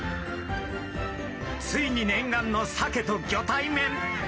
ついに念願のサケとギョ対面！